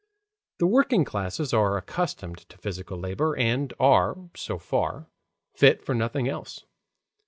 The working classes are accustomed to physical labor, and are, so far, fit for nothing else.